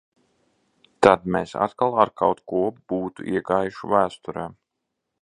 Tad mēs atkal ar kaut ko būtu iegājuši vēsturē.